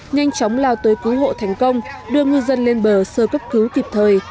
nhanh chóng lao tới cứu hộ thành công đưa ngư dân lên bờ sơ cấp cứu kịp thời